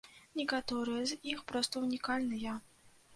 Некаторыя з іх проста ўнікальныя.